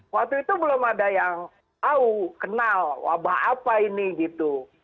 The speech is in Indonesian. waktu itu belum ada yang tahu kenal wabah apa ini gitu